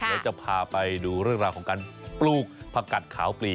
เดี๋ยวจะพาไปดูเรื่องราวของการปลูกผักกัดขาวปลี